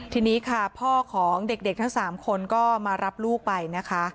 ทีนี้ค่ะพ่อของเด็กทั้ง๓คนก็มารับลูกไปนะคะ